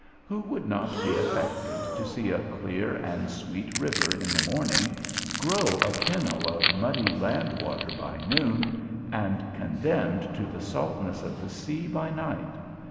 Who would not be affected to see a clear and sweet river in the morning, grow a kennel of muddy land water by noon, and condemned to the saltness of the sea by night?